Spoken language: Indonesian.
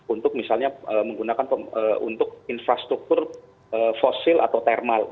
untuk misalnya menggunakan untuk infrastruktur fosil atau thermal